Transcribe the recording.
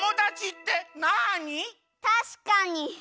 たしかに。